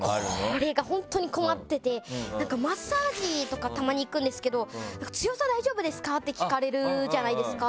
これが本当に困っていてマッサージとかたまに行くんですけど強さ大丈夫ですか？って聞かれるじゃないですか。